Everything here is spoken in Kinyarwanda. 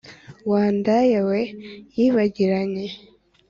wa ndaya we yibagiranye!